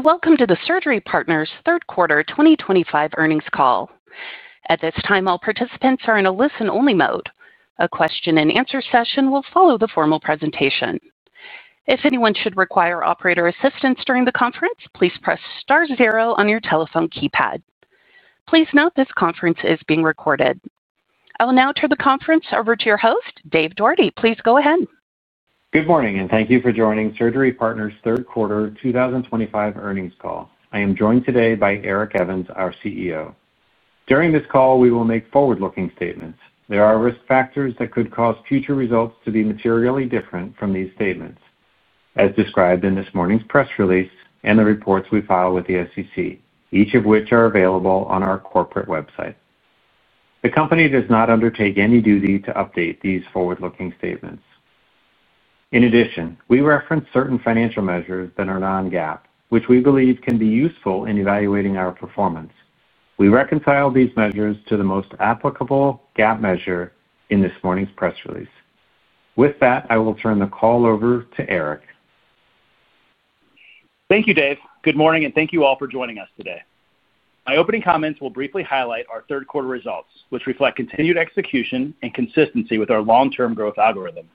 Welcome to the Surgery Partners third quarter 2025 earnings call. At this time, all participants are in a listen-only mode. A question-and-answer session will follow the formal presentation. If anyone should require operator assistance during the conference, please press star zero on your telephone keypad. Please note this conference is being recorded. I will now turn the conference over to your host, Dave Doherty. Please go ahead. Good morning, and thank you for joining Surgery Partners third quarter 2025 earnings call. I am joined today by Eric Evans, our CEO. During this call, we will make forward-looking statements. There are risk factors that could cause future results to be materially different from these statements, as described in this morning's press release and the reports we file with the SEC, each of which are available on our corporate website. The company does not undertake any duty to update these forward-looking statements. In addition, we reference certain financial measures that are non-GAAP, which we believe can be useful in evaluating our performance. We reconcile these measures to the most applicable GAAP measure in this morning's press release. With that, I will turn the call over to Eric. Thank you, Dave. Good morning, and thank you all for joining us today. My opening comments will briefly highlight our third quarter results, which reflect continued execution and consistency with our long-term growth algorithm.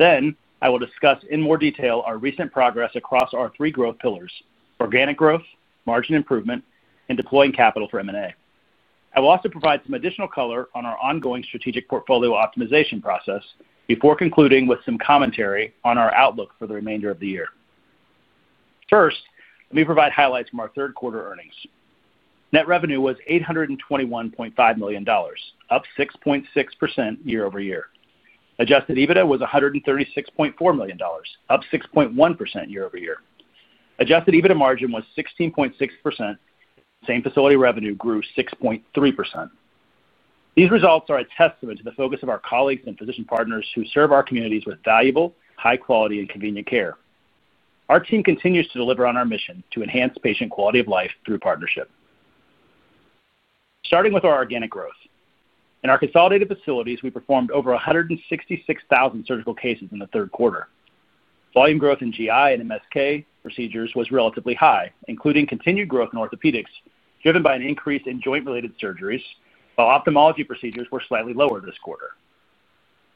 I will discuss in more detail our recent progress across our three growth pillars: organic growth, margin improvement, and deploying capital for M&A. I will also provide some additional color on our ongoing strategic portfolio optimization process before concluding with some commentary on our outlook for the remainder of the year. First, let me provide highlights from our third quarter earnings. Net revenue was $821.5 million, up 6.6% year-over-year. Adjusted EBITDA was $136.4 million, up 6.1% year-over-year. Adjusted EBITDA margin was 16.6%. Same facility revenue grew 6.3%. These results are a testament to the focus of our colleagues and physician partners who serve our communities with valuable, high-quality, and convenient care. Our team continues to deliver on our mission to enhance patient quality of life through partnership. Starting with our organic growth. In our consolidated facilities, we performed over 166,000 surgical cases in the third quarter. Volume growth in GI and MSK procedures was relatively high, including continued growth in orthopedics driven by an increase in joint-related surgeries, while ophthalmology procedures were slightly lower this quarter.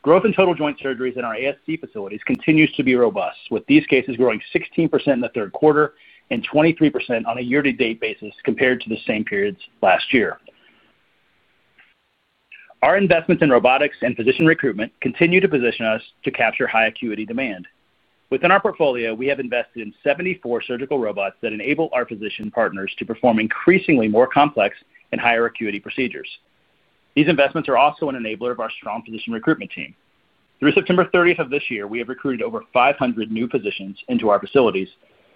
Growth in total joint surgeries in our ASC facilities continues to be robust, with these cases growing 16% in the third quarter and 23% on a year-to-date basis compared to the same period last year. Our investments in robotics and physician recruitment continue to position us to capture high acuity demand. Within our portfolio, we have invested in 74 surgical robots that enable our physician partners to perform increasingly more complex and higher acuity procedures. These investments are also an enabler of our strong physician recruitment team. Through September 30 of this year, we have recruited over 500 new physicians into our facilities,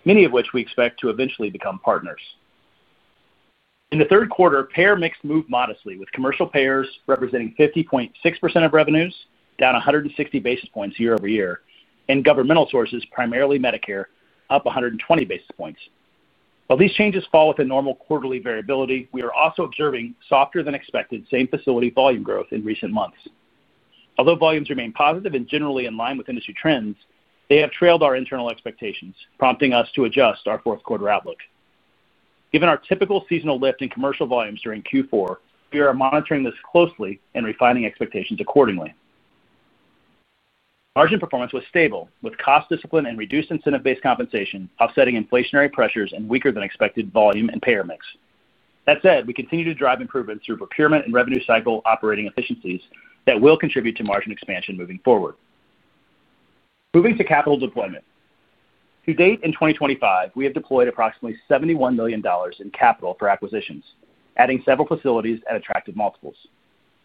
many of which we expect to eventually become partners. In the third quarter, payer mix moved modestly, with commercial payers representing 50.6% of revenues, down 160 basis points year-over-year, and governmental sources, primarily Medicare, up 120 basis points. While these changes fall within normal quarterly variability, we are also observing softer-than-expected same facility volume growth in recent months. Although volumes remain positive and generally in line with industry trends, they have trailed our internal expectations, prompting us to adjust our fourth quarter outlook. Given our typical seasonal lift in commercial volumes during Q4, we are monitoring this closely and refining expectations accordingly. Margin performance was stable, with cost discipline and reduced incentive-based compensation offsetting inflationary pressures and weaker-than-expected volume and payer mix. That said, we continue to drive improvements through procurement and revenue-cycle operating efficiencies that will contribute to margin expansion moving forward. Moving to capital deployment. To date in 2025, we have deployed approximately $71 million in capital for acquisitions, adding several facilities at attractive multiples.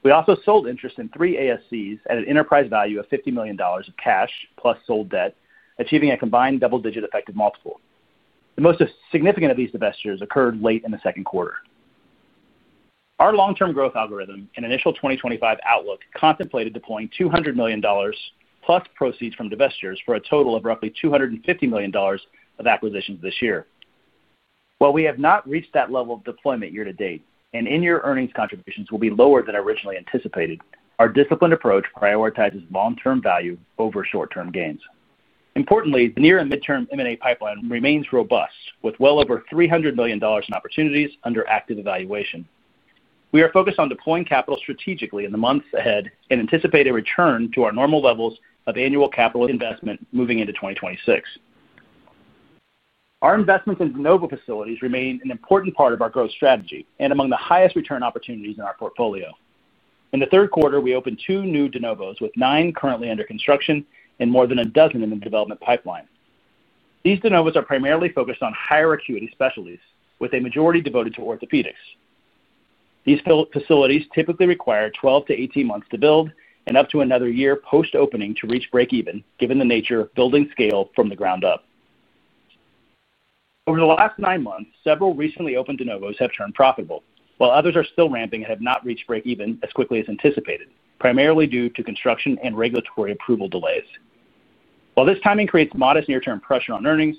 We also sold interest in three ASCs at an enterprise value of $50 million of cash plus sold debt, achieving a combined double-digit effective multiple. The most significant of these divestitures occurred late in the second quarter. Our long-term growth algorithm and initial 2025 outlook contemplated deploying $200 million plus proceeds from divestitures for a total of roughly $250 million of acquisitions this year. While we have not reached that level of deployment year-to-date and in-year earnings contributions will be lower than originally anticipated, our disciplined approach prioritizes long-term value over short-term gains. Importantly, the near and midterm M&A pipeline remains robust, with well over $300 million in opportunities under active evaluation. We are focused on deploying capital strategically in the months ahead and anticipate a return to our normal levels of annual capital investment moving into 2026. Our investments in de novo facilities remain an important part of our growth strategy and among the highest return opportunities in our portfolio. In the third quarter, we opened two new de novos, with nine currently under construction and more than a dozen in the development pipeline. These de novos are primarily focused on higher acuity specialties, with a majority devoted to orthopedics. These facilities typically require 12-18 months to build and up to another year post-opening to reach break-even, given the nature of building scale from the ground up. Over the last nine months, several recently opened de novos have turned profitable, while others are still ramping and have not reached break-even as quickly as anticipated, primarily due to construction and regulatory approval delays. While this timing creates modest near-term pressure on earnings,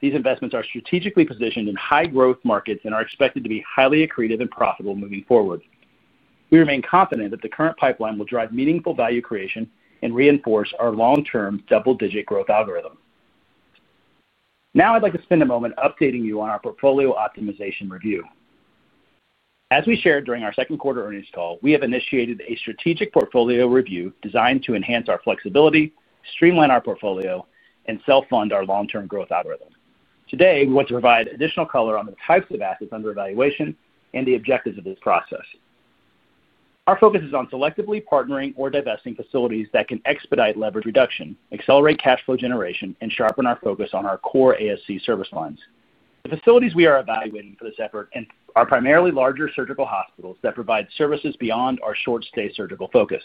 these investments are strategically positioned in high-growth markets and are expected to be highly accretive and profitable moving forward. We remain confident that the current pipeline will drive meaningful value creation and reinforce our long-term double-digit growth algorithm. Now, I'd like to spend a moment updating you on our portfolio optimization review. As we shared during our second quarter earnings call, we have initiated a strategic portfolio review designed to enhance our flexibility, streamline our portfolio, and self-fund our long-term growth algorithm. Today, we want to provide additional color on the types of assets under evaluation and the objectives of this process. Our focus is on selectively partnering or divesting facilities that can expedite leverage reduction, accelerate cash flow generation, and sharpen our focus on our core ASC service lines. The facilities we are evaluating for this effort are primarily larger surgical hospitals that provide services beyond our short-stay surgical focus.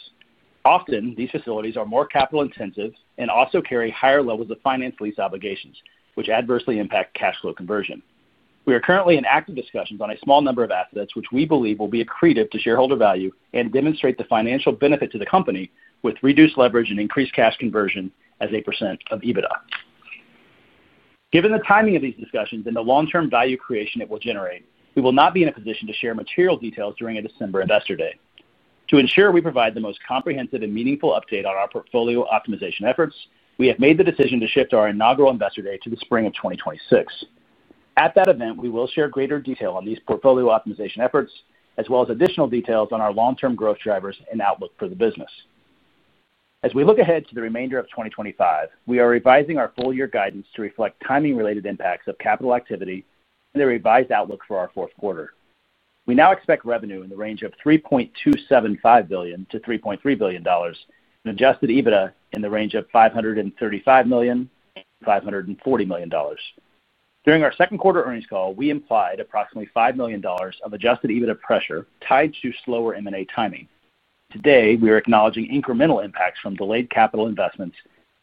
Often, these facilities are more capital-intensive and also carry higher levels of finance lease obligations, which adversely impact cash flow conversion. We are currently in active discussions on a small number of assets, which we believe will be accretive to shareholder value and demonstrate the financial benefit to the company with reduced leverage and increased cash conversion as a percent of EBITDA. Given the timing of these discussions and the long-term value creation it will generate, we will not be in a position to share material details during a December investor day. To ensure we provide the most comprehensive and meaningful update on our portfolio optimization efforts, we have made the decision to shift our inaugural investor day to the spring of 2026. At that event, we will share greater detail on these portfolio optimization efforts, as well as additional details on our long-term growth drivers and outlook for the business. As we look ahead to the remainder of 2025, we are revising our full-year guidance to reflect timing-related impacts of capital activity and the revised outlook for our fourth quarter. We now expect revenue in the range of $3.275 billion-$3.3 billion and adjusted EBITDA in the range of $535 million-$540 million. During our second quarter earnings call, we implied approximately $5 million of adjusted EBITDA pressure tied to slower M&A timing. Today, we are acknowledging incremental impacts from delayed capital investments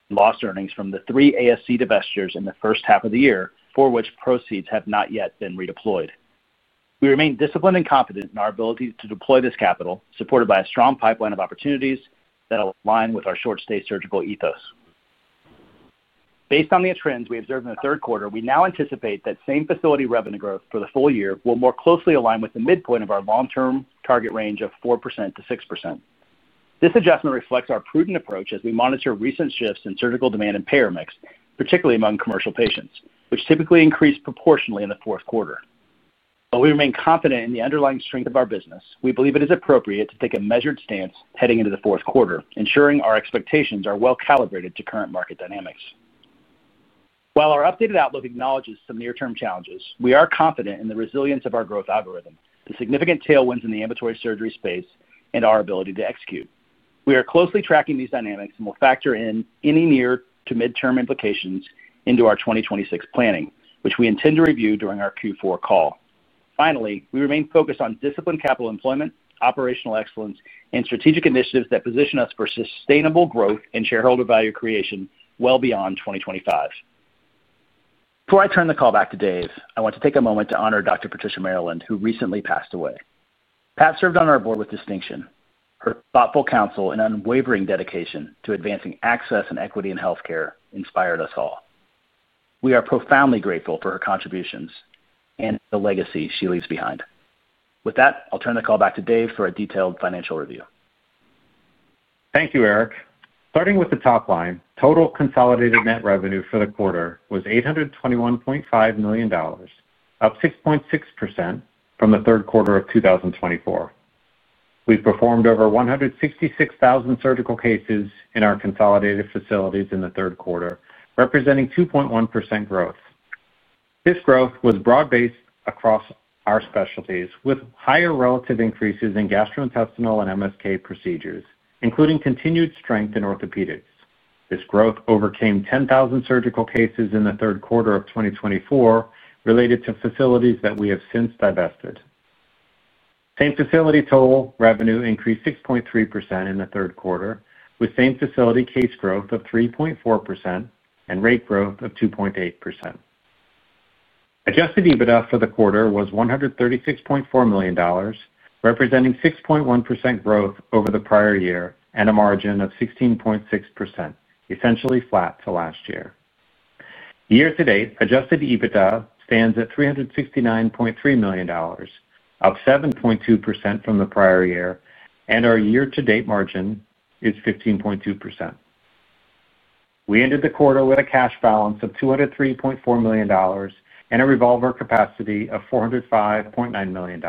and lost earnings from the three ASC divestitures in the first half of the year, for which proceeds have not yet been redeployed. We remain disciplined and confident in our ability to deploy this capital, supported by a strong pipeline of opportunities that align with our short-stay surgical ethos. Based on the trends we observed in the third quarter, we now anticipate that same facility revenue growth for the full year will more closely align with the midpoint of our long-term target range of 4%-6%. This adjustment reflects our prudent approach as we monitor recent shifts in surgical demand and payer mix, particularly among commercial patients, which typically increased proportionally in the fourth quarter. While we remain confident in the underlying strength of our business, we believe it is appropriate to take a measured stance heading into the fourth quarter, ensuring our expectations are well-calibrated to current market dynamics. While our updated outlook acknowledges some near-term challenges, we are confident in the resilience of our growth algorithm, the significant tailwinds in the ambulatory surgery space, and our ability to execute. We are closely tracking these dynamics and will factor in any near- to midterm implications into our 2026 planning, which we intend to review during our Q4 call. Finally, we remain focused on disciplined capital employment, operational excellence, and strategic initiatives that position us for sustainable growth and shareholder value creation well beyond 2025. Before I turn the call back to Dave, I want to take a moment to honor Dr. Patricia Maryland, who recently passed away. Pat served on our board with distinction. Her thoughtful counsel and unwavering dedication to advancing access and equity in healthcare inspired us all. We are profoundly grateful for her contributions and the legacy she leaves behind. With that, I'll turn the call back to Dave for a detailed financial review. Thank you, Eric. Starting with the top line, total consolidated net revenue for the quarter was $821.5 million, up 6.6% from the third quarter of 2024. We performed over 166,000 surgical cases in our consolidated facilities in the third quarter, representing 2.1% growth. This growth was broad-based across our specialties, with higher relative increases in gastrointestinal and MSK procedures, including continued strength in orthopedics. This growth overcame 10,000 surgical cases in the third quarter of 2024 related to facilities that we have since divested. Same facility total revenue increased 6.3% in the third quarter, with same facility case growth of 3.4% and rate growth of 2.8%. Adjusted EBITDA for the quarter was $136.4 million, representing 6.1% growth over the prior year and a margin of 16.6%, essentially flat to last year. Year-to-date, adjusted EBITDA stands at $369.3 million, up 7.2% from the prior year, and our year-to-date margin is 15.2%. We ended the quarter with a cash balance of $203.4 million and a revolver capacity of $405.9 million,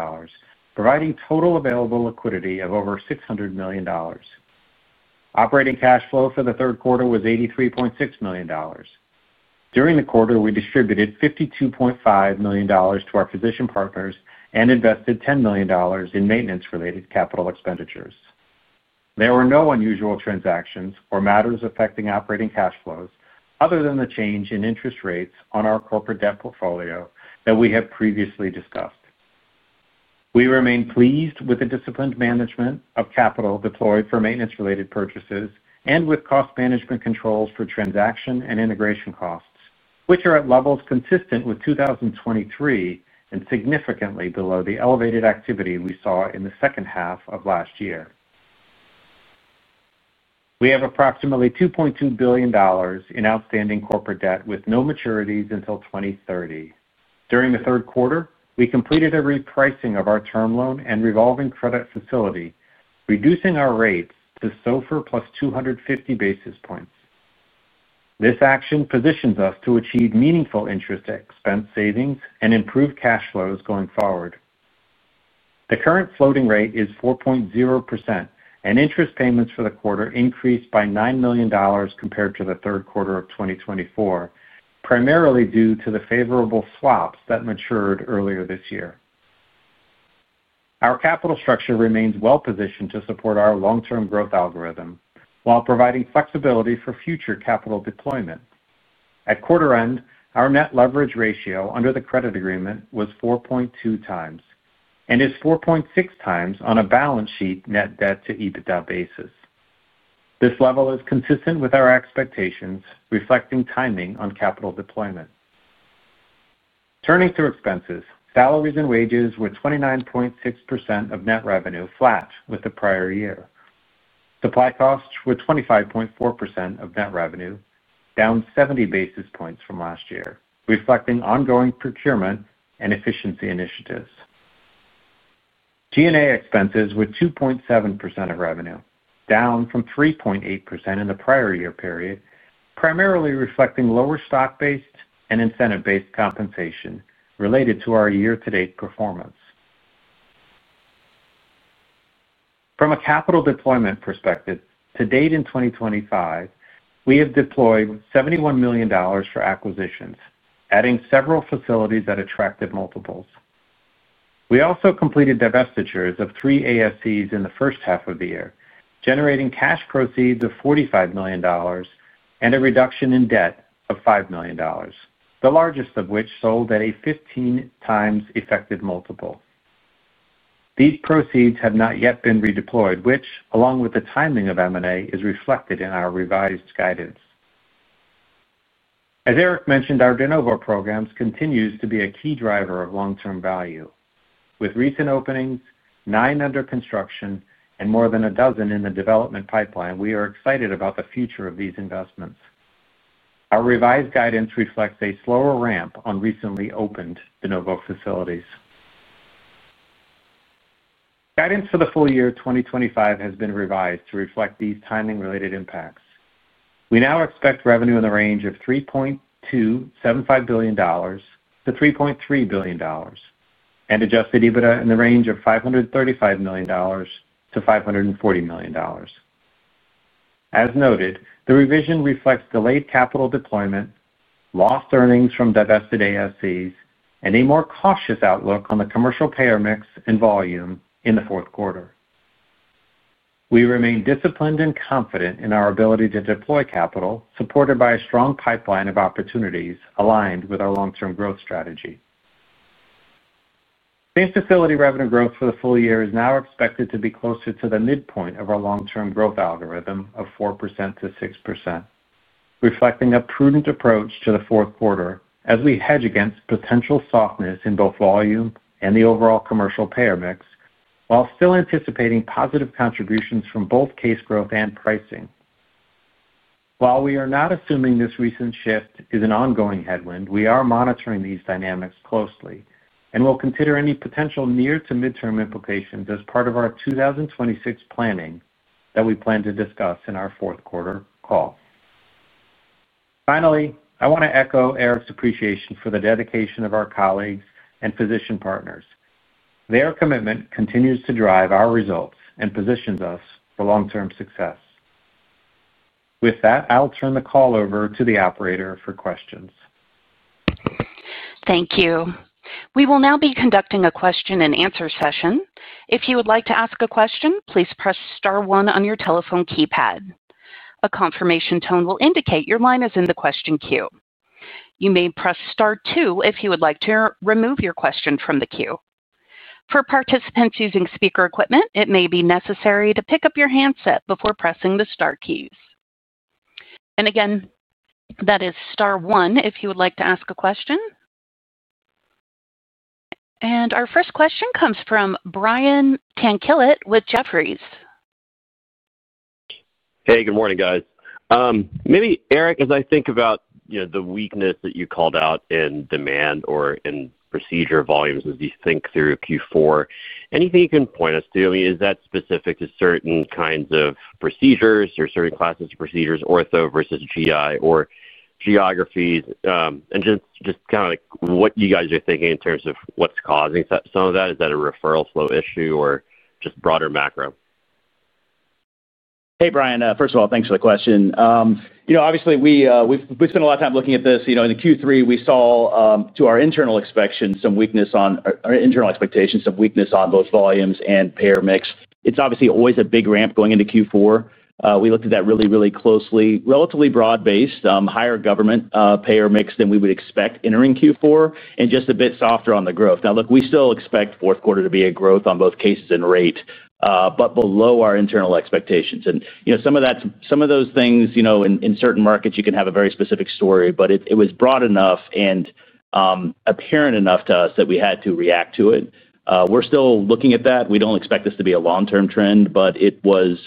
providing total available liquidity of over $600 million. Operating cash flow for the third quarter was $83.6 million. During the quarter, we distributed $52.5 million to our physician partners and invested $10 million in maintenance-related capital expenditures. There were no unusual transactions or matters affecting operating cash flows other than the change in interest rates on our corporate debt portfolio that we have previously discussed. We remain pleased with the disciplined management of capital deployed for maintenance-related purchases and with cost management controls for transaction and integration costs, which are at levels consistent with 2023 and significantly below the elevated activity we saw in the second half of last year. We have approximately $2.2 billion in outstanding corporate debt with no maturities until 2030. During the third quarter, we completed a repricing of our term loan and revolving credit facility, reducing our rates to SOFR plus 250 basis points. This action positions us to achieve meaningful interest expense savings and improve cash flows going forward. The current floating rate is 4.0%, and interest payments for the quarter increased by $9 million compared to the third quarter of 2024, primarily due to the favorable swaps that matured earlier this year. Our capital structure remains well-positioned to support our long-term growth algorithm while providing flexibility for future capital deployment. At quarter end, our net leverage ratio under the credit agreement was 4.2x and is 4.6x on a balance sheet net debt to EBITDA basis. This level is consistent with our expectations, reflecting timing on capital deployment. Turning to expenses, salaries and wages were 29.6% of net revenue, flat with the prior year. Supply costs were 25.4% of net revenue, down 70 basis points from last year, reflecting ongoing procurement and efficiency initiatives. G&A expenses were 2.7% of revenue, down from 3.8% in the prior year period, primarily reflecting lower stock-based and incentive-based compensation related to our year-to-date performance. From a capital deployment perspective, to date in 2025, we have deployed $71 million for acquisitions, adding several facilities at attractive multiples. We also completed divestitures of three ASCs in the first half of the year, generating cash proceeds of $45 million and a reduction in debt of $5 million, the largest of which sold at a 15x effective multiple. These proceeds have not yet been redeployed, which, along with the timing of M&A, is reflected in our revised guidance. As Eric mentioned, our de novo program continues to be a key driver of long-term value. With recent openings, nine under construction, and more than a dozen in the development pipeline, we are excited about the future of these investments. Our revised guidance reflects a slower ramp on recently opened de novo facilities. Guidance for the full year 2025 has been revised to reflect these timing-related impacts. We now expect revenue in the range of $3.275 billion-$3.3 billion and adjusted EBITDA in the range of $535 million-$540 million. As noted, the revision reflects delayed capital deployment, lost earnings from divested ASCs, and a more cautious outlook on the commercial payer mix and volume in the fourth quarter. We remain disciplined and confident in our ability to deploy capital, supported by a strong pipeline of opportunities aligned with our long-term growth strategy. Same facility revenue growth for the full year is now expected to be closer to the midpoint of our long-term growth algorithm of 4%-6%, reflecting a prudent approach to the fourth quarter as we hedge against potential softness in both volume and the overall commercial payer mix, while still anticipating positive contributions from both case growth and pricing. While we are not assuming this recent shift is an ongoing headwind, we are monitoring these dynamics closely and will consider any potential near- to midterm implications as part of our 2026 planning that we plan to discuss in our fourth quarter call. Finally, I want to echo Eric's appreciation for the dedication of our colleagues and physician partners. Their commitment continues to drive our results and positions us for long-term success. With that, I'll turn the call over to the operator for questions. Thank you. We will now be conducting a question-and-answer session. If you would like to ask a question, please press star one on your telephone keypad. A confirmation tone will indicate your line is in the question queue. You may press star two if you would like to remove your question from the queue. For participants using speaker equipment, it may be necessary to pick up your handset before pressing the star keys. Again, that is star one if you would like to ask a question. Our first question comes from Brian Tanquilut with Jefferies. Hey, good morning, guys. Maybe, Eric, as I think about the weakness that you called out in demand or in procedure volumes as you think through Q4, anything you can point us to? I mean, is that specific to certain kinds of procedures or certain classes of procedures, ortho versus GI or geographies? I mean, just kind of what you guys are thinking in terms of what's causing some of that? Is that a referral flow issue or just broader macro? Hey, Brian. First of all, thanks for the question. Obviously, we've spent a lot of time looking at this. In Q3, we saw, to our internal expectations, some weakness on both volumes and payer mix. It's obviously always a big ramp going into Q4. We looked at that really, really closely. Relatively broad-based, higher government payer mix than we would expect entering Q4, and just a bit softer on the growth. Now, look, we still expect fourth quarter to be a growth on both cases and rate, but below our internal expectations. Some of those things in certain markets, you can have a very specific story, but it was broad enough and apparent enough to us that we had to react to it. We're still looking at that. We do not expect this to be a long-term trend, but it was,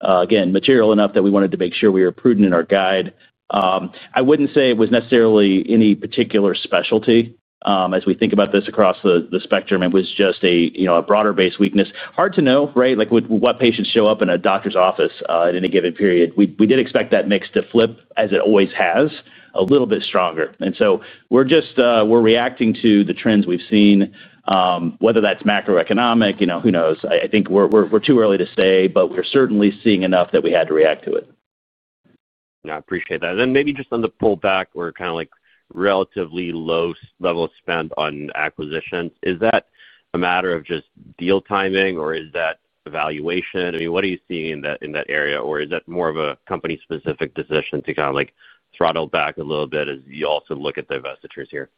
again, material enough that we wanted to make sure we were prudent in our guide. I would not say it was necessarily any particular specialty. As we think about this across the spectrum, it was just a broader-based weakness. Hard to know, right? What patients show up in a doctor's office at any given period? We did expect that mix to flip, as it always has, a little bit stronger. We are reacting to the trends we have seen, whether that is macroeconomic, who knows? I think it is too early to say, but we are certainly seeing enough that we had to react to it. I appreciate that. Maybe just on the pullback or kind of relatively low level of spend on acquisitions, is that a matter of just deal timing, or is that evaluation? I mean, what are you seeing in that area, or is that more of a company-specific decision to kind of throttle back a little bit as you also look at divestitures here?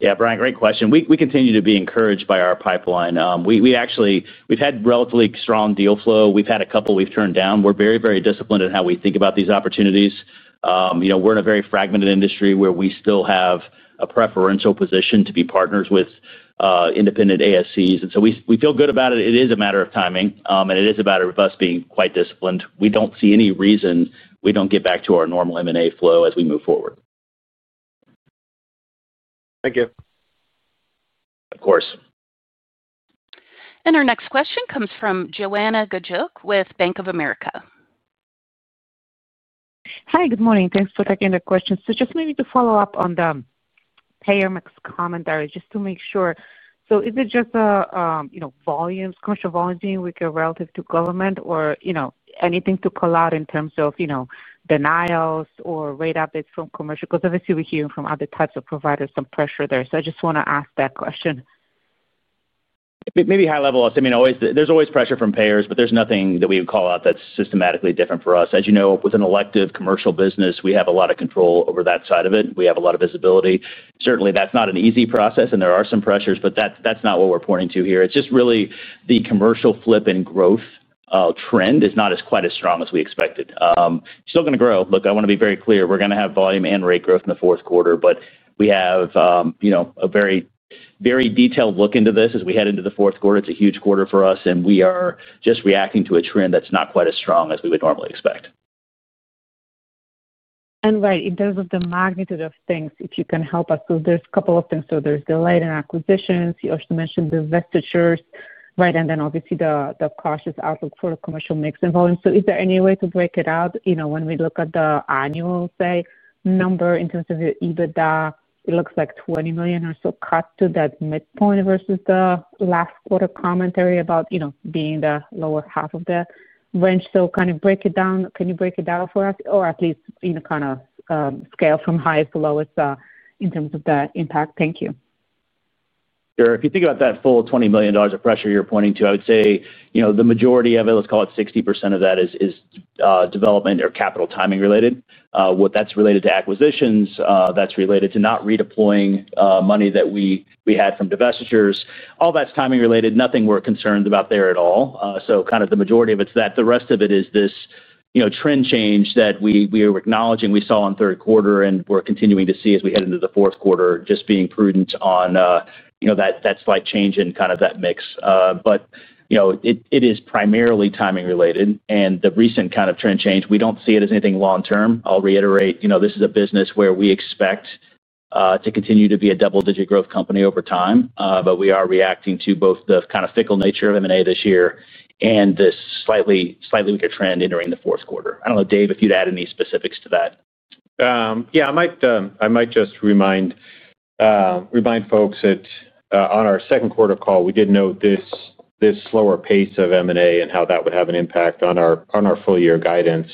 Yeah, Brian, great question. We continue to be encouraged by our pipeline. We actually have relatively strong deal flow. We've had a couple we've turned down. We're very, very disciplined in how we think about these opportunities. We're in a very fragmented industry where we still have a preferential position to be partners with independent ASCs. We feel good about it. It is a matter of timing, and it is about us being quite disciplined. We don't see any reason we don't get back to our normal M&A flow as we move forward. Thank you. Of course. Our next question comes from Joanna Gajuk with Bank of America. Hi, good morning. Thanks for taking the question. Just maybe to follow up on the payer mix commentary, just to make sure. Is it just volumes, commercial volumes being weaker relative to government, or anything to call out in terms of denials or rate updates from commercial? Obviously, we're hearing from other types of providers some pressure there. I just want to ask that question. Maybe high level. I mean, there's always pressure from payers, but there's nothing that we would call out that's systematically different for us. As you know, with an elective commercial business, we have a lot of control over that side of it. We have a lot of visibility. Certainly, that's not an easy process, and there are some pressures, but that's not what we're pointing to here. It's just really the commercial flip and growth trend is not quite as strong as we expected. Still going to grow. Look, I want to be very clear. We're going to have volume and rate growth in the fourth quarter, but we have a very detailed look into this as we head into the fourth quarter. It's a huge quarter for us, and we are just reacting to a trend that's not quite as strong as we would normally expect. Right, in terms of the magnitude of things, if you can help us, so there's a couple of things. There's delayed in acquisitions, you also mentioned divestitures, right? Then obviously the cautious outlook for the commercial mix and volume. Is there any way to break it out when we look at the annual, say, number in terms of the EBITDA? It looks like $20 million or so cut to that midpoint versus the last quarter commentary about being the lower half of the range. Kind of break it down. Can you break it down for us, or at least kind of scale from highest to lowest in terms of that impact? Thank you. Sure. If you think about that full $20 million of pressure you're pointing to, I would say the majority of it, let's call it 60% of that, is development or capital timing related. What that's related to acquisitions, that's related to not redeploying money that we had from divestitures. All that's timing related. Nothing we're concerned about there at all. Kind of the majority of it's that. The rest of it is this trend change that we are acknowledging we saw in third quarter and we're continuing to see as we head into the fourth quarter, just being prudent on that slight change in kind of that mix. It is primarily timing related, and the recent kind of trend change, we don't see it as anything long-term. I'll reiterate, this is a business where we expect to continue to be a double-digit growth company over time, but we are reacting to both the kind of fickle nature of M&A this year and this slightly weaker trend entering the fourth quarter. I don't know, Dave, if you'd add any specifics to that. Yeah, I might just remind folks that on our second quarter call, we did note this slower pace of M&A and how that would have an impact on our full-year guidance.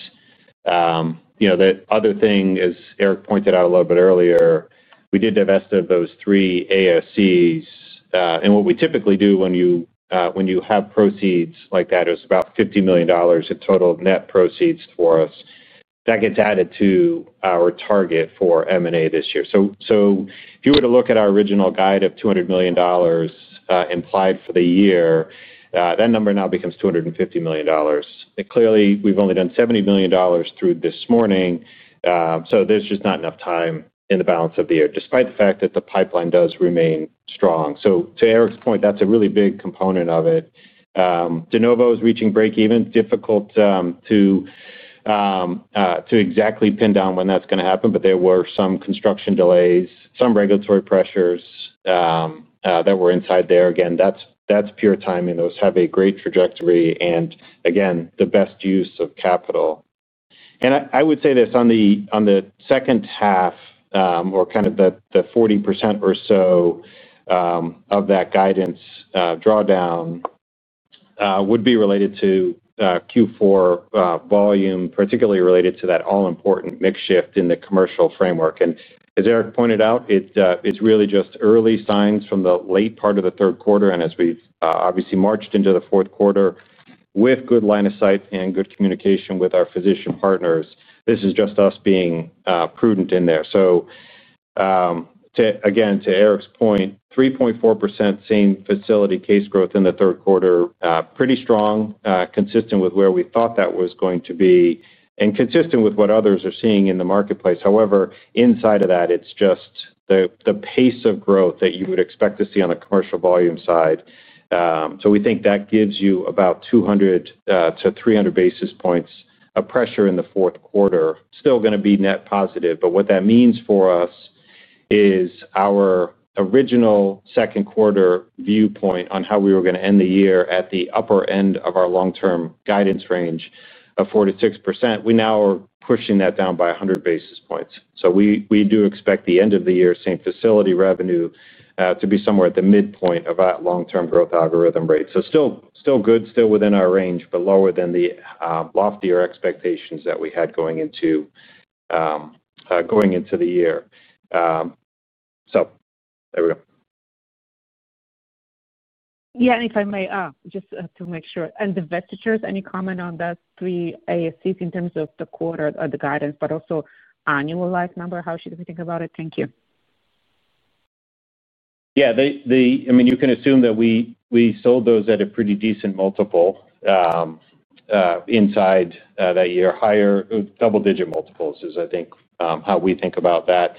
The other thing, as Eric pointed out a little bit earlier, we did divest of those three ASCs. And what we typically do when you have proceeds like that is about $50 million in total net proceeds for us. That gets added to our target for M&A this year. If you were to look at our original guide of $200 million implied for the year, that number now becomes $250 million. Clearly, we've only done $70 million through this morning, so there's just not enough time in the balance of the year, despite the fact that the pipeline does remain strong. To Eric's point, that's a really big component of it. de novo is reaching break-even. Difficult to exactly pin down when that's going to happen, but there were some construction delays, some regulatory pressures that were inside there. Again, that's pure timing. Those have a great trajectory and, again, the best use of capital. I would say this: on the second half, or kind of the 40% or so of that guidance drawdown, would be related to Q4 volume, particularly related to that all-important mix shift in the commercial framework. As Eric pointed out, it's really just early signs from the late part of the third quarter. As we've obviously marched into the fourth quarter with good line of sight and good communication with our physician partners, this is just us being prudent in there. Again, to Eric's point, 3.4% same facility case growth in the third quarter, pretty strong, consistent with where we thought that was going to be and consistent with what others are seeing in the marketplace. However, inside of that, it's just the pace of growth that you would expect to see on the commercial volume side. We think that gives you about 200 to 300 basis points of pressure in the fourth quarter. Still going to be net positive, but what that means for us is our original second quarter viewpoint on how we were going to end the year at the upper end of our long-term guidance range of 4%-6%. We now are pushing that down by basis points. We do expect the end of the year, same facility revenue to be somewhere at the midpoint of that long-term growth algorithm rate. Still good, still within our range, but lower than the loftier expectations that we had going into the year. There we go. Yeah, and if I may, just to make sure, and divestitures, any comment on the three ASCs in terms of the quarter or the guidance, but also annualized number, how should we think about it? Thank you. Yeah, I mean, you can assume that we sold those at a pretty decent multiple inside that year. Higher double-digit multiples is, I think, how we think about that.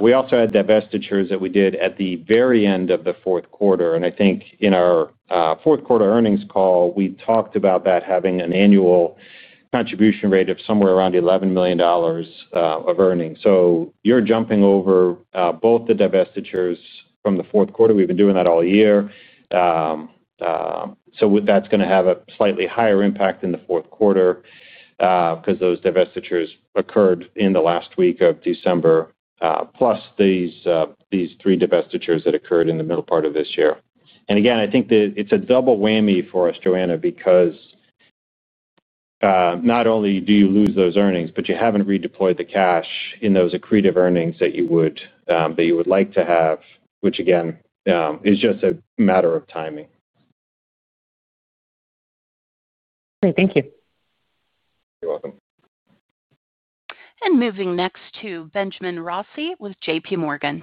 We also had divestitures that we did at the very end of the fourth quarter. I think in our fourth quarter earnings call, we talked about that having an annual contribution rate of somewhere around $11 million of earnings. You are jumping over both the divestitures from the fourth quarter. We have been doing that all year. That is going to have a slightly higher impact in the fourth quarter because those divestitures occurred in the last week of December, plus these three divestitures that occurred in the middle part of this year. I think it's a double whammy for us, Joanna, because not only do you lose those earnings, but you haven't redeployed the cash in those accretive earnings that you would like to have, which again, is just a matter of timing. Okay, thank you. You're welcome. Moving next to Benjamin Rossi with JPMorgan.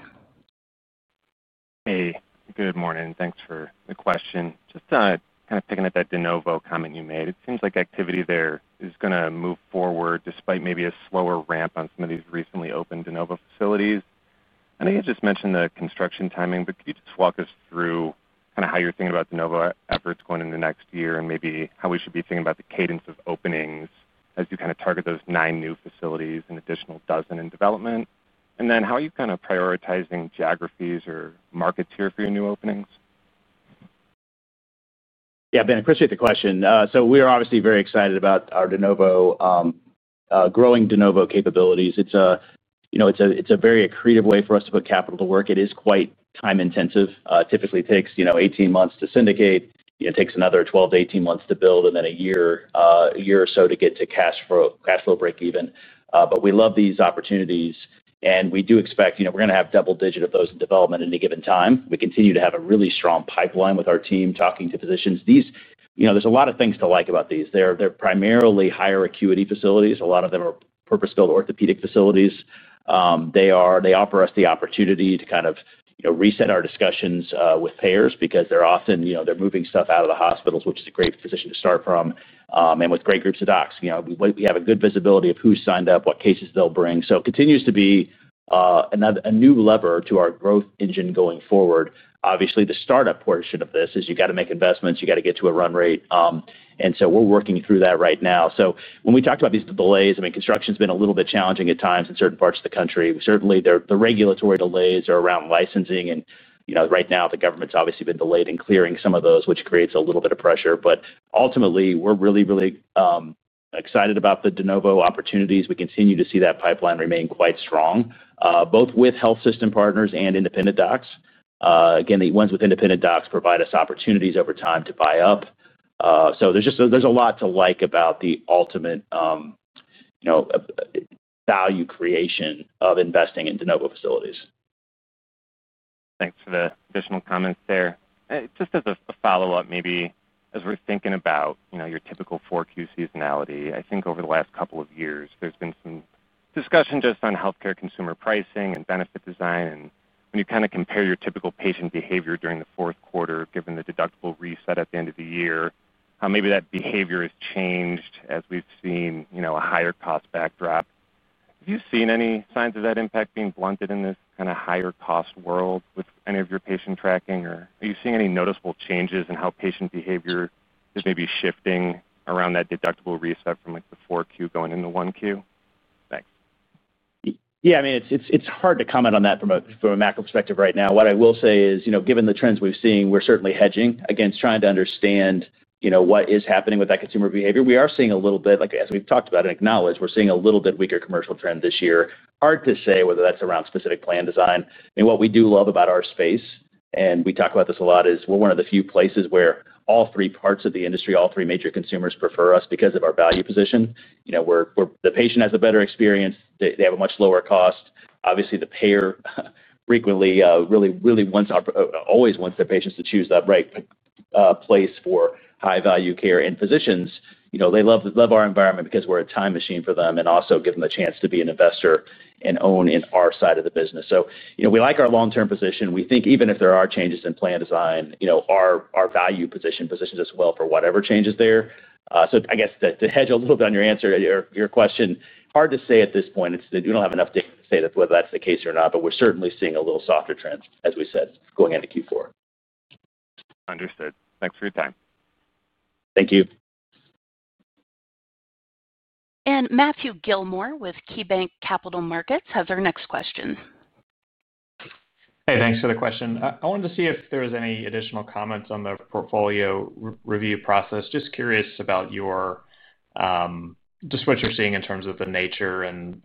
Hey, good morning. Thanks for the question. Just kind of picking up that de novo comment you made. It seems like activity there is going to move forward despite maybe a slower ramp on some of these recently opened de novo facilities. I know you just mentioned the construction timing, but could you just walk us through kind of how you're thinking about de novo efforts going into next year and maybe how we should be thinking about the cadence of openings as you kind of target those nine new facilities and additional dozen in development? How are you kind of prioritizing geographies or markets here for your new openings? Yeah, Ben, appreciate the question. We are obviously very excited about our de novo, growing de novo capabilities. It's a very accretive way for us to put capital to work. It is quite time intensive. Typically takes 18 months to syndicate. It takes another 12-18 months to build, and then a year or so to get to cash flow break-even. We love these opportunities, and we do expect we're going to have double digit of those in development at any given time. We continue to have a really strong pipeline with our team talking to physicians. There's a lot of things to like about these. They're primarily higher acuity facilities. A lot of them are purpose-built orthopedic facilities. They offer us the opportunity to kind of reset our discussions with payers because they're often moving stuff out of the hospitals, which is a great position to start from, and with great groups of docs. We have good visibility of who's signed up, what cases they'll bring. It continues to be a new lever to our growth engine going forward. Obviously, the startup portion of this is you got to make investments. You got to get to a run rate. We're working through that right now. When we talk about these delays, I mean, construction has been a little bit challenging at times in certain parts of the country. Certainly, the regulatory delays are around licensing. Right now, the government's obviously been delayed in clearing some of those, which creates a little bit of pressure. Ultimately, we're really, really excited about the de novo opportunities. We continue to see that pipeline remain quite strong, both with health system partners and independent docs. Again, the ones with independent docs provide us opportunities over time to buy up. There is a lot to like about the ultimate value creation of investing in de novo facilities. Thanks for the additional comments there. Just as a follow-up, maybe as we're thinking about your typical fourth quarter seasonality, I think over the last couple of years, there's been some discussion just on healthcare consumer pricing and benefit design. And when you kind of compare your typical patient behavior during the fourth quarter, given the deductible reset at the end of the year, maybe that behavior has changed as we've seen a higher cost backdrop. Have you seen any signs of that impact being blunted in this kind of higher cost world with any of your patient tracking? Or are you seeing any noticeable changes in how patient behavior is maybe shifting around that deductible reset from the fourth quarter going into the first quarter? Thanks. Yeah, I mean, it's hard to comment on that from a macro perspective right now. What I will say is, given the trends we've seen, we're certainly hedging against trying to understand what is happening with that consumer behavior. We are seeing a little bit, like as we've talked about and acknowledged, we're seeing a little bit weaker commercial trend this year. Hard to say whether that's around specific plan design. I mean, what we do love about our space, and we talk about this a lot, is we're one of the few places where all three parts of the industry, all three major consumers prefer us because of our value position. The patient has a better experience. They have a much lower cost. Obviously, the payer frequently really wants, always wants their patients to choose that right place for high-value care. Physicians love our environment because we're a time machine for them and also give them the chance to be an investor and own in our side of the business. We like our long-term position. We think even if there are changes in plan design, our value position positions us well for whatever change is there. I guess to hedge a little bit on your question, hard to say at this point. We do not have enough data to say whether that's the case or not, but we're certainly seeing a little softer trend, as we said, going into Q4. Understood. Thanks for your time. Thank you. Matthew Gillmor with KeyBanc Capital Markets has our next question. Hey, thanks for the question. I wanted to see if there was any additional comments on the portfolio review process. Just curious about just what you're seeing in terms of the nature and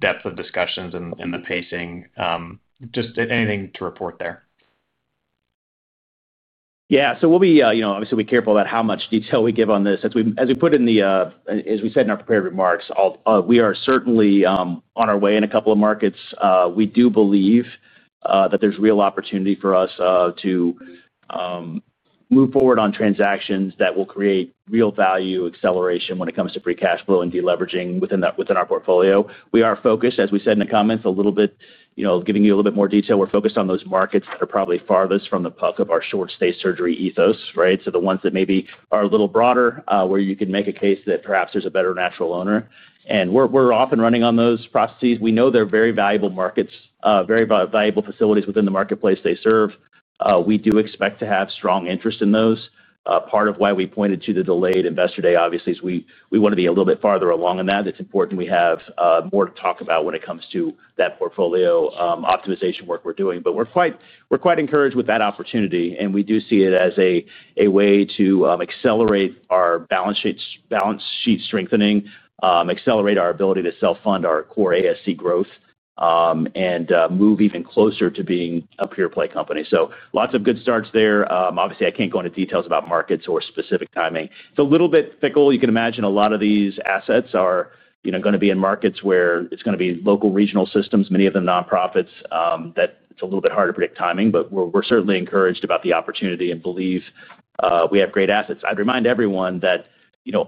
depth of discussions and the pacing. Just anything to report there? Yeah, so we'll be obviously careful about how much detail we give on this. As we put in the, as we said in our prepared remarks, we are certainly on our way in a couple of markets. We do believe that there's real opportunity for us to move forward on transactions that will create real value acceleration when it comes to free cash flow and deleveraging within our portfolio. We are focused, as we said in the comments, a little bit giving you a little bit more detail. We're focused on those markets that are probably farthest from the puck of our short-stay surgery ethos, right? The ones that maybe are a little broader, where you can make a case that perhaps there's a better natural owner. We're off and running on those processes. We know they're very valuable markets, very valuable facilities within the marketplace they serve. We do expect to have strong interest in those. Part of why we pointed to the delayed investor day, obviously, is we want to be a little bit farther along in that. It's important we have more to talk about when it comes to that portfolio optimization work we're doing. We are quite encouraged with that opportunity, and we do see it as a way to accelerate our balance sheet strengthening, accelerate our ability to self-fund our core ASC growth, and move even closer to being a pure-play company. Lots of good starts there. Obviously, I can't go into details about markets or specific timing. It's a little bit fickle. You can imagine a lot of these assets are going to be in markets where it's going to be local, regional systems, many of them nonprofits. It's a little bit hard to predict timing, but we're certainly encouraged about the opportunity and believe we have great assets. I'd remind everyone that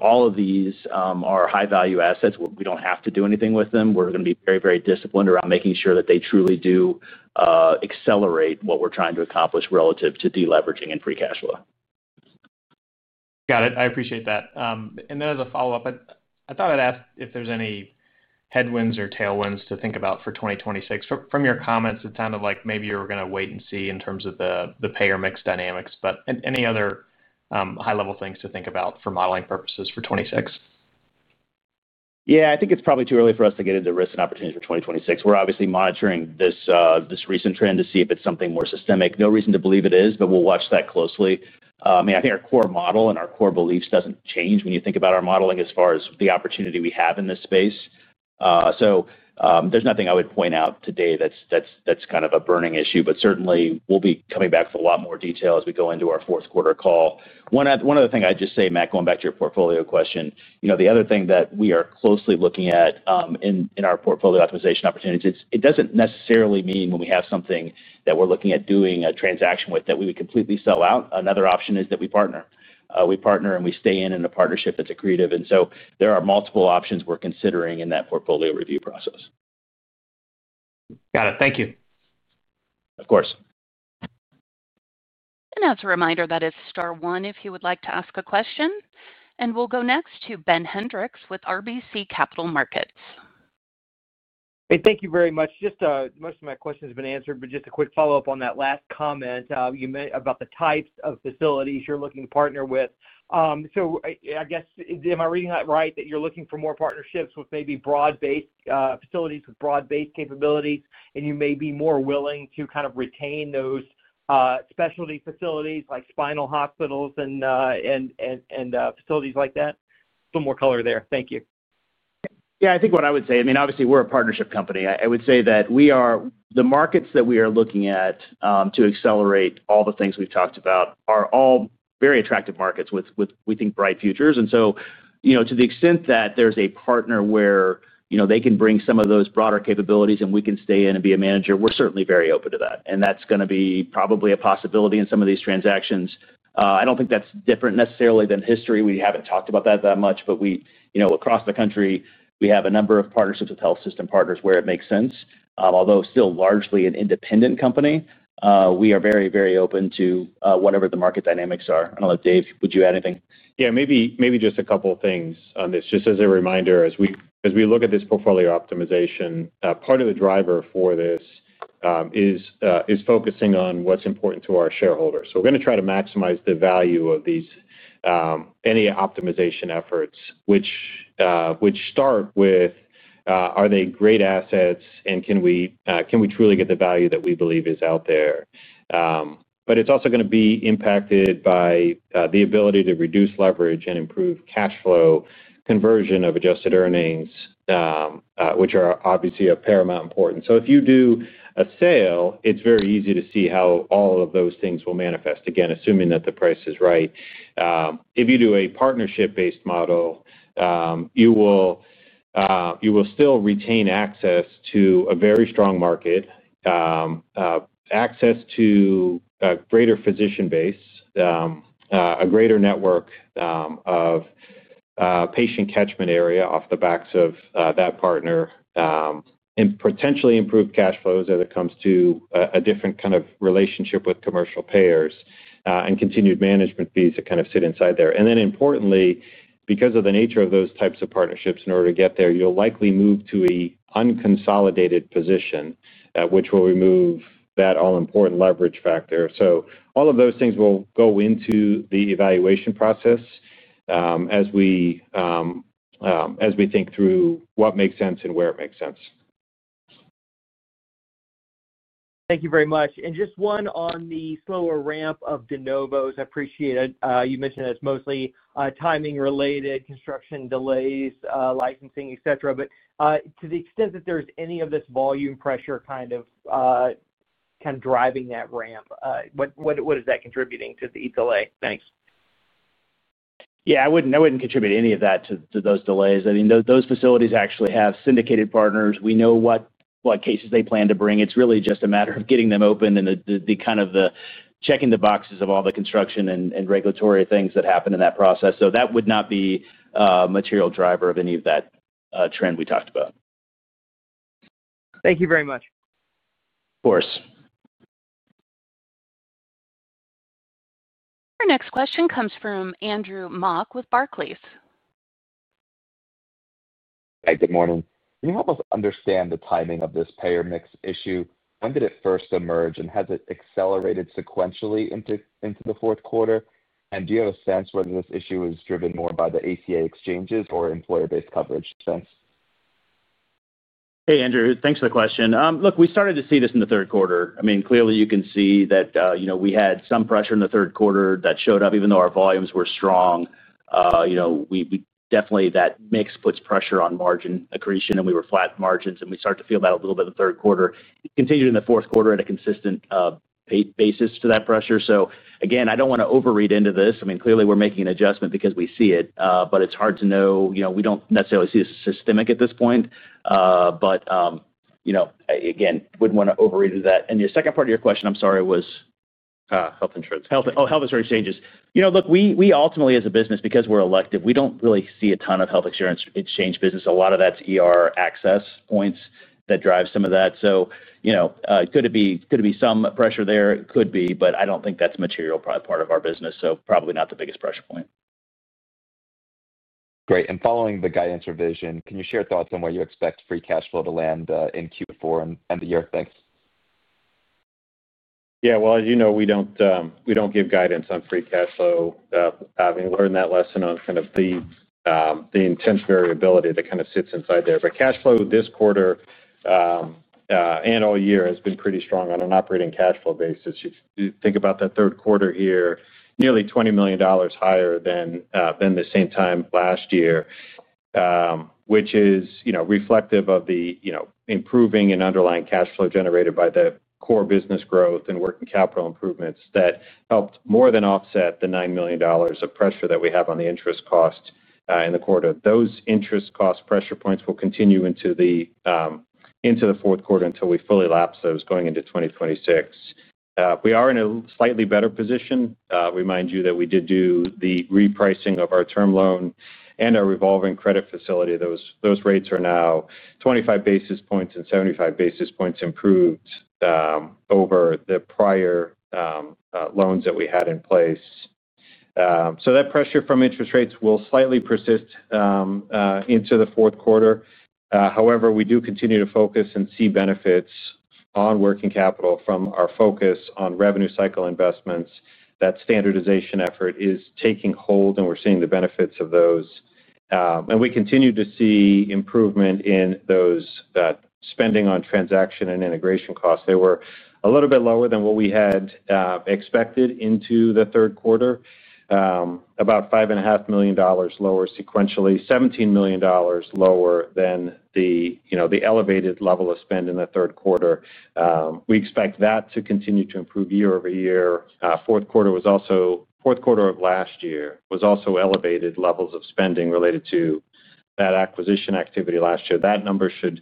all of these are high-value assets. We don't have to do anything with them. We're going to be very, very disciplined around making sure that they truly do accelerate what we're trying to accomplish relative to deleveraging and free cash flow. Got it. I appreciate that. As a follow-up, I thought I'd ask if there's any headwinds or tailwinds to think about for 2026. From your comments, it sounded like maybe you were going to wait and see in terms of the payer mix dynamics, but any other high-level things to think about for modeling purposes for 2026? Yeah, I think it's probably too early for us to get into risk and opportunity for 2026. We're obviously monitoring this recent trend to see if it's something more systemic. No reason to believe it is, but we'll watch that closely. I mean, I think our core model and our core beliefs don't change when you think about our modeling as far as the opportunity we have in this space. There's nothing I would point out today that's kind of a burning issue, but certainly, we'll be coming back with a lot more detail as we go into our fourth quarter call. One other thing I'd just say, Matt, going back to your portfolio question, the other thing that we are closely looking at in our portfolio optimization opportunities, it doesn't necessarily mean when we have something that we're looking at doing a transaction with that we would completely sell out. Another option is that we partner. We partner and we stay in in a partnership that's accretive. And so there are multiple options we're considering in that portfolio review process. Got it. Thank you. Of course. As a reminder, it's star one if you would like to ask a question. We'll go next to Ben Hendricks with RBC Capital Markets. Hey, thank you very much. Most of my questions have been answered, but just a quick follow-up on that last comment about the types of facilities you're looking to partner with. I guess, am I reading that right that you're looking for more partnerships with maybe broad-based facilities with broad-based capabilities, and you may be more willing to kind of retain those specialty facilities like spinal hospitals and facilities like that? A little more color there. Thank you. Yeah, I think what I would say, I mean, obviously, we're a partnership company. I would say that the markets that we are looking at to accelerate all the things we've talked about are all very attractive markets with, we think, bright futures. To the extent that there's a partner where they can bring some of those broader capabilities and we can stay in and be a manager, we're certainly very open to that. That's going to be probably a possibility in some of these transactions. I don't think that's different necessarily than history. We haven't talked about that that much, but across the country, we have a number of partnerships with health system partners where it makes sense. Although still largely an independent company, we are very, very open to whatever the market dynamics are. I don't know if Dave, would you add anything? Yeah, maybe just a couple of things on this. Just as a reminder, as we look at this portfolio optimization, part of the driver for this is focusing on what's important to our shareholders. We're going to try to maximize the value of any optimization efforts, which start with, are they great assets, and can we truly get the value that we believe is out there? It's also going to be impacted by the ability to reduce leverage and improve cash flow. Conversion of adjusted earnings, which are obviously of paramount importance. If you do a sale, it's very easy to see how all of those things will manifest, again, assuming that the price is right. If you do a partnership-based model, you will still retain access to a very strong market, access to a greater physician base, a greater network of patient catchment area off the backs of that partner, and potentially improved cash flows as it comes to a different kind of relationship with commercial payers and continued management fees that kind of sit inside there. Importantly, because of the nature of those types of partnerships, in order to get there, you'll likely move to an unconsolidated position, which will remove that all-important leverage factor. All of those things will go into the evaluation process as we think through what makes sense and where it makes sense. Thank you very much. Just one on the slower ramp of de novos. I appreciate it. You mentioned it's mostly timing-related, construction delays, licensing, etc. To the extent that there's any of this volume pressure kind of driving that ramp, what is that contributing to the delay? Thanks. Yeah, I wouldn't contribute any of that to those delays. I mean, those facilities actually have syndicated partners. We know what cases they plan to bring. It's really just a matter of getting them open and kind of checking the boxes of all the construction and regulatory things that happen in that process. That would not be a material driver of any of that trend we talked about. Thank you very much. Of course. Our next question comes from Andrew Mok with Barclays. Hi, good morning. Can you help us understand the timing of this payer mix issue? When did it first emerge, and has it accelerated sequentially into the fourth quarter? Do you have a sense whether this issue is driven more by the ACA exchanges or employer-based coverage spends? Hey, Andrew. Thanks for the question. Look, we started to see this in the third quarter. I mean, clearly, you can see that we had some pressure in the third quarter that showed up. Even though our volumes were strong, definitely that mix puts pressure on margin accretion, and we were flat margins, and we started to feel that a little bit in the third quarter. It continued in the fourth quarter at a consistent basis to that pressure. Again, I do not want to overread into this. I mean, clearly, we are making an adjustment because we see it, but it is hard to know. We do not necessarily see this as systemic at this point. Again, would not want to overread into that. Your second part of your question, I am sorry, was health insurance. Oh, health insurance exchanges. Look, we ultimately, as a business, because we're elective, we don't really see a ton of health insurance exchange business. A lot of that's access points that drive some of that. Could it be some pressure there? Could be, but I don't think that's a material part of our business, so probably not the biggest pressure point. Great. Following the guidance revision, can you share thoughts on where you expect free cash flow to land in Q4 and the year ahead? Thanks. Yeah. As you know, we don't give guidance on free cash flow. Having learned that lesson on kind of the intense variability that kind of sits inside there. But cash flow this quarter and all year has been pretty strong on an operating cash flow basis. You think about that third quarter here, nearly $20 million higher than the same time last year, which is reflective of the improving and underlying cash flow generated by the core business growth and working capital improvements that helped more than offset the $9 million of pressure that we have on the interest cost in the quarter. Those interest cost pressure points will continue into the fourth quarter until we fully lapse those going into 2026. We are in a slightly better position. Remind you that we did do the repricing of our term loan and our revolving credit facility. Those rates are now 25 basis points and 75 basis points improved over the prior loans that we had in place. That pressure from interest rates will slightly persist into the fourth quarter. However, we do continue to focus and see benefits on working capital from our focus on revenue cycle investments. That standardization effort is taking hold, and we are seeing the benefits of those. We continue to see improvement in that spending on transaction and integration costs. They were a little bit lower than what we had expected into the third quarter, about $5.5 million lower sequentially, $17 million lower than the elevated level of spend in the third quarter. We expect that to continue to improve year over year. Fourth quarter of last year was also elevated levels of spending related to that acquisition activity last year. That number should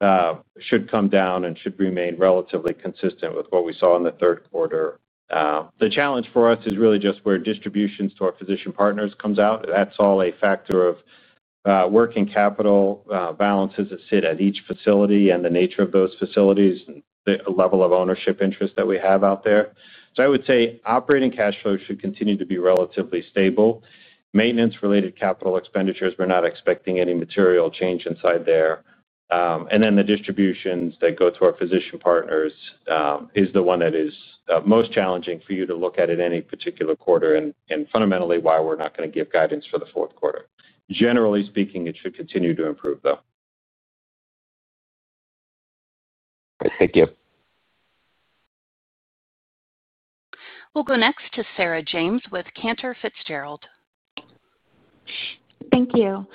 come down and should remain relatively consistent with what we saw in the third quarter. The challenge for us is really just where distributions to our physician partners come out. That's all a factor of working capital balances that sit at each facility and the nature of those facilities and the level of ownership interest that we have out there. I would say operating cash flow should continue to be relatively stable. Maintenance-related capital expenditures, we're not expecting any material change inside there. The distributions that go to our physician partners is the one that is most challenging for you to look at in any particular quarter and fundamentally why we're not going to give guidance for the fourth quarter. Generally speaking, it should continue to improve, though. Great. Thank you. We'll go next to Sarah James with Cantor Fitzgerald. Thank you.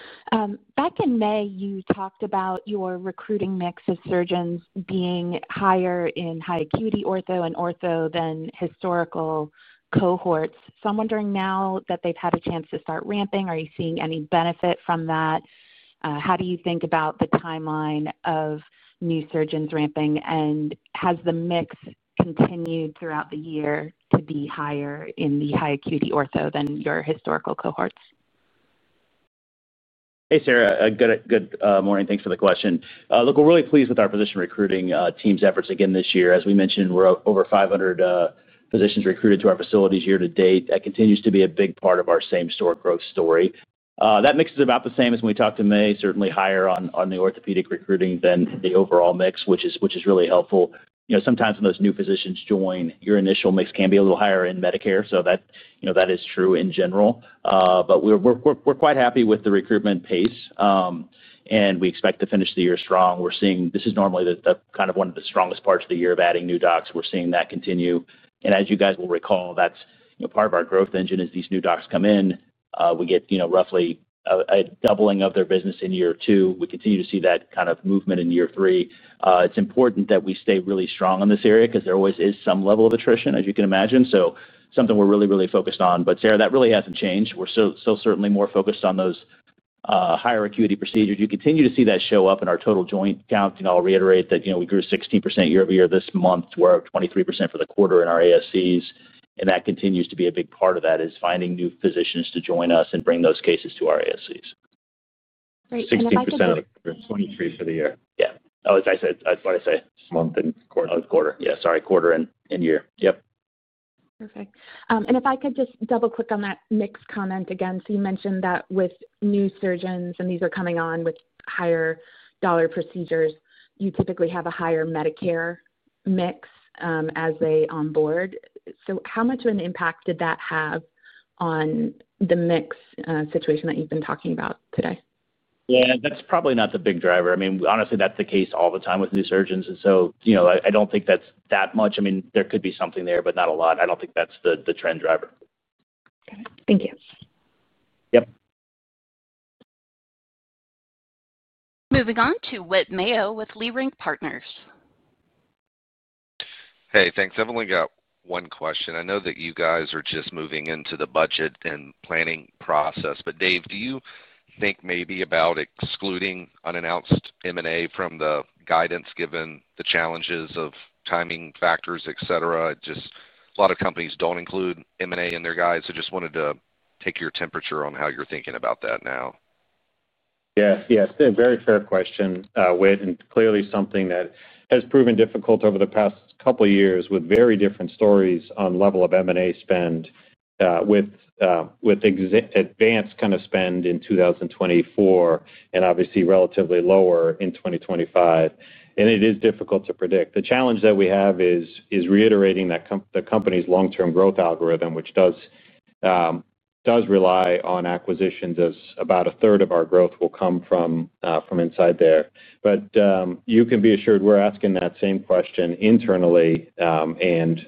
Back in May, you talked about your recruiting mix of surgeons being higher in high-acuity ortho and ortho than historical cohorts. So I'm wondering now that they've had a chance to start ramping, are you seeing any benefit from that? How do you think about the timeline of new surgeons ramping, and has the mix continued throughout the year to be higher in the high-acuity ortho than your historical cohorts? Hey, Sarah. Good morning. Thanks for the question. Look, we're really pleased with our physician recruiting team's efforts again this year. As we mentioned, we're over 500 physicians recruited to our facilities year to date. That continues to be a big part of our same-store growth story. That mix is about the same as when we talked in May, certainly higher on the orthopedic recruiting than the overall mix, which is really helpful. Sometimes when those new physicians join, your initial mix can be a little higher in Medicare, so that is true in general. We're quite happy with the recruitment pace, and we expect to finish the year strong. This is normally kind of one of the strongest parts of the year of adding new docs. We're seeing that continue. As you guys will recall, that's part of our growth engine is these new docs come in. We get roughly a doubling of their business in year two. We continue to see that kind of movement in year three. It's important that we stay really strong in this area because there always is some level of attrition, as you can imagine. So something we're really, really focused on. Sarah, that really hasn't changed. We're still certainly more focused on those higher acuity procedures. You continue to see that show up in our total joint count. I'll reiterate that we grew 16% year-over-year this month. We're up 23% for the quarter in our ASCs. That continues to be a big part of that is finding new physicians to join us and bring those cases to our ASCs. Great. That's the. 16% for the quarter. 23% for the year. Yeah. Oh, I said what did I say? This month and quarter. Oh, quarter. Yeah. Sorry. Quarter and year. Yep. Perfect. If I could just double-click on that mix comment again. You mentioned that with new surgeons, and these are coming on with higher dollar procedures, you typically have a higher Medicare mix as they onboard. How much of an impact did that have on the mix situation that you've been talking about today? Yeah. That's probably not the big driver. I mean, honestly, that's the case all the time with new surgeons. I don't think that's that much. I mean, there could be something there, but not a lot. I don't think that's the trend driver. Got it. Thank you. Yep. Moving on to Whit Mayo with Leerink Partners. Hey, thanks. I've only got one question. I know that you guys are just moving into the budget and planning process. Dave, do you think maybe about excluding unannounced M&A from the guidance given the challenges of timing factors, etc.? Just a lot of companies don't include M&A in their guide. Just wanted to take your temperature on how you're thinking about that now. Yeah. Yeah. It's a very fair question, Whit, and clearly something that has proven difficult over the past couple of years with very different stories on level of M&A spend with advanced kind of spend in 2024 and obviously relatively lower in 2025. It is difficult to predict. The challenge that we have is reiterating the company's long-term growth algorithm, which does rely on acquisitions as about a third of our growth will come from inside there. You can be assured we're asking that same question internally, and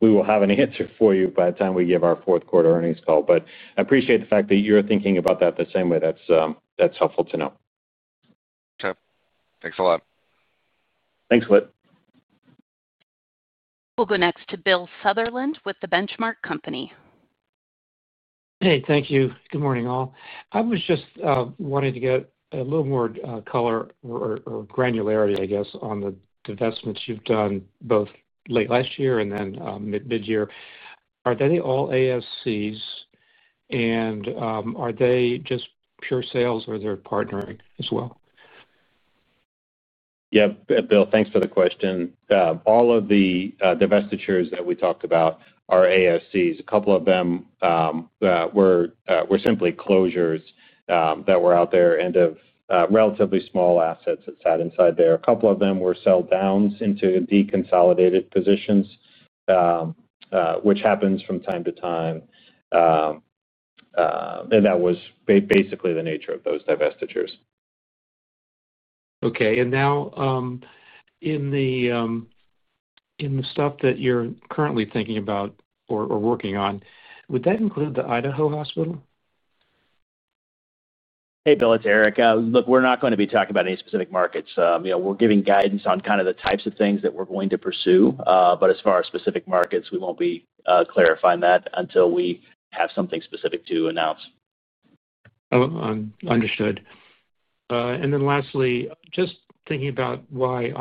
we will have an answer for you by the time we give our fourth quarter earnings call. I appreciate the fact that you're thinking about that the same way. That's helpful to know. Okay. Thanks a lot. Thanks, Whit. We'll go next to Bill Sutherland with The Benchmark Company. Hey, thank you. Good morning, all. I was just wanting to get a little more color or granularity, I guess, on the investments you've done both late last year and then mid-year. Are they all ASCs, and are they just pure sales, or are they partnering as well? Yep. Bill, thanks for the question. All of the divestitures that we talked about are ASCs. A couple of them were simply closures that were out there, end of relatively small assets that sat inside there. A couple of them were sell-downs into deconsolidated positions, which happens from time to time. That was basically the nature of those divestitures. Okay. In the stuff that you're currently thinking about or working on, would that include the Idaho hospital? Hey, Bill. It's Eric. Look, we're not going to be talking about any specific markets. We're giving guidance on kind of the types of things that we're going to pursue. As far as specific markets, we won't be clarifying that until we have something specific to announce. Understood. Lastly, just thinking about why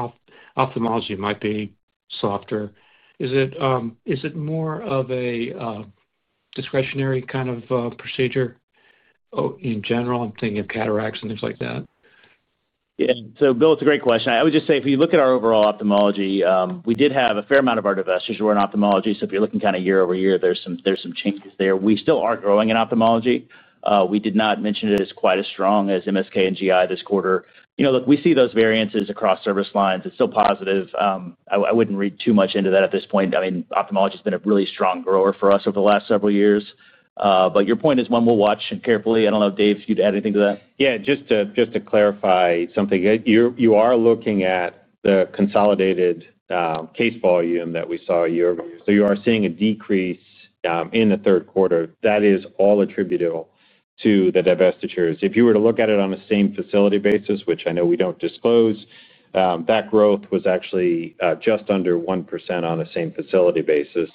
ophthalmology might be softer, is it more of a discretionary kind of procedure in general? I'm thinking of cataracts and things like that. Yeah. Bill, it's a great question. I would just say if you look at our overall ophthalmology, we did have a fair amount of our divestitures were in ophthalmology. If you're looking kind of year over year, there's some changes there. We still are growing in ophthalmology. We did not mention it is quite as strong as MSK and GI this quarter. Look, we see those variances across service lines. It's still positive. I wouldn't read too much into that at this point. I mean, ophthalmology has been a really strong grower for us over the last several years. Your point is one we'll watch carefully. I don't know, Dave, if you'd add anything to that. Yeah. Just to clarify something, you are looking at the consolidated case volume that we saw a year ago. You are seeing a decrease in the third quarter. That is all attributable to the divestitures. If you were to look at it on the same facility basis, which I know we do not disclose, that growth was actually just under 1% on the same facility basis.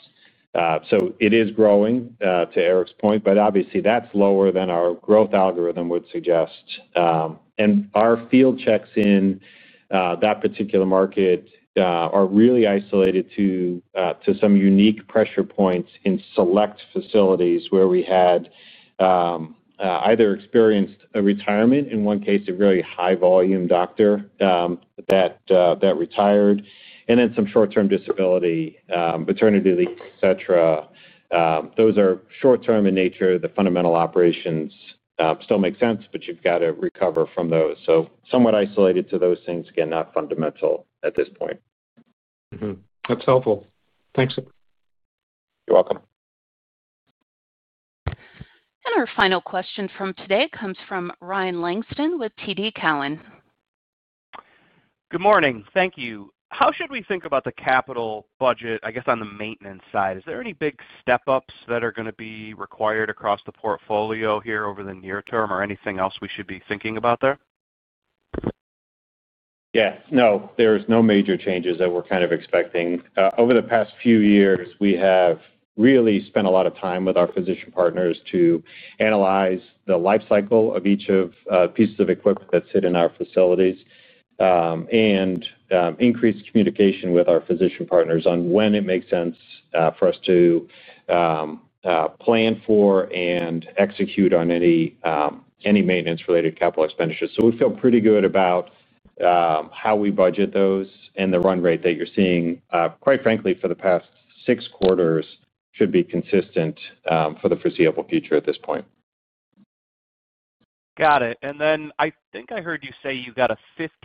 It is growing to Eric's point, but obviously, that is lower than our growth algorithm would suggest. Our field checks in that particular market are really isolated to some unique pressure points in select facilities where we had either experienced a retirement, in one case, a really high-volume doctor that retired, and then some short-term disability, maternity leave, etc. Those are short-term in nature. The fundamental operations still make sense, but you have got to recover from those. Somewhat isolated to those things, again, not fundamental at this point. That's helpful. Thanks. You're welcome. Our final question from today comes from Ryan Langston with TD Cowen. Good morning. Thank you. How should we think about the capital budget, I guess, on the maintenance side? Is there any big step-ups that are going to be required across the portfolio here over the near term, or anything else we should be thinking about there? Yes. No, there's no major changes that we're kind of expecting. Over the past few years, we have really spent a lot of time with our physician partners to analyze the lifecycle of each of the pieces of equipment that sit in our facilities and increase communication with our physician partners on when it makes sense for us to plan for and execute on any maintenance-related capital expenditures. So we feel pretty good about how we budget those, and the run rate that you're seeing, quite frankly, for the past six quarters should be consistent for the foreseeable future at this point. Got it. I think I heard you say you got a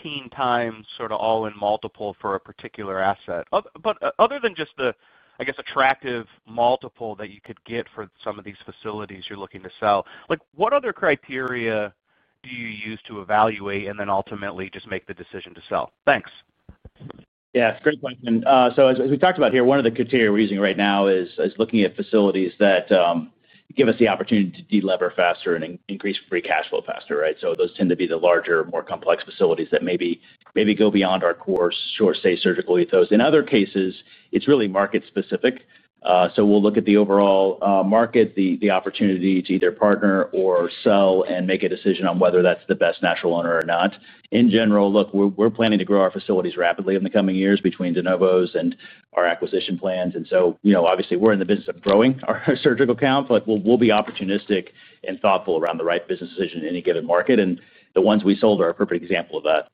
15-time sort of all-in multiple for a particular asset. Other than just the, I guess, attractive multiple that you could get for some of these facilities you're looking to sell, what other criteria do you use to evaluate and then ultimately just make the decision to sell? Thanks. Yeah. It's a great question. As we talked about here, one of the criteria we're using right now is looking at facilities that give us the opportunity to delever faster and increase free cash flow faster, right? Those tend to be the larger, more complex facilities that maybe go beyond our core source, say, surgical ethos. In other cases, it's really market-specific. We'll look at the overall market, the opportunity to either partner or sell and make a decision on whether that's the best natural owner or not. In general, look, we're planning to grow our facilities rapidly in the coming years between de novos and our acquisition plans. Obviously, we're in the business of growing our surgical count. We'll be opportunistic and thoughtful around the right business decision in any given market. The ones we sold are a perfect example of that.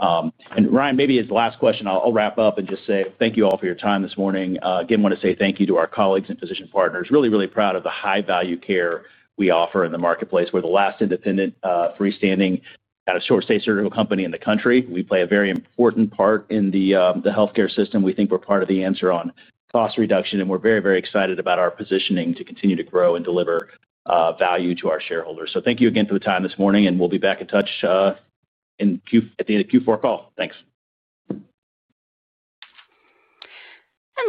Ryan, maybe as the last question, I'll wrap up and just say thank you all for your time this morning. Again, want to say thank you to our colleagues and physician partners. Really, really proud of the high-value care we offer in the marketplace. We're the last independent freestanding kind of short-stay surgical company in the country. We play a very important part in the healthcare system. We think we're part of the answer on cost reduction, and we're very, very excited about our positioning to continue to grow and deliver value to our shareholders. Thank you again for the time this morning, and we'll be back in touch at the end of Q4 call. Thanks.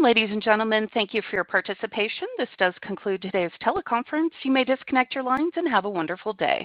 Ladies and gentlemen, thank you for your participation. This does conclude today's teleconference. You may disconnect your lines and have a wonderful day.